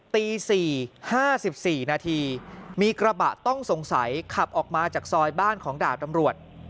ตีสี่ห้าสิบสี่นาทีมีกระบะต้องสงสัยขับออกมาจากซอยบ้านของดาบดำรวจ